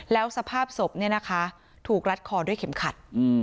แล้วสภาพศพเนี่ยนะคะถูกรัดคอด้วยเข็มขัด